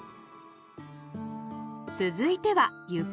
続いては床。